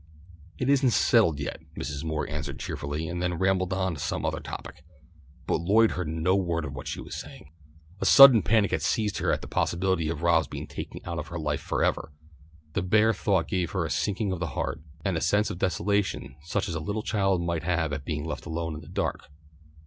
"It isn't settled yet," Mrs. Moore answered cheerfully, and then rambled on to some other topic. But Lloyd heard no word of what she was saying. A sudden panic had seized her at the possibility of Rob's being taken out of her life for ever. The bare thought gave her a sinking of the heart and a sense of desolation such as a little child might have at being left alone in the dark.